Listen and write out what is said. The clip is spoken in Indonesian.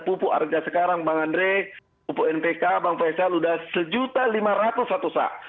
pupuk arja sekarang bang andres pupuk npk bang faisal sudah satu lima ratus